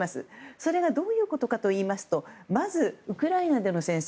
それはどういうことかといいますとまず、ウクライナでの戦争。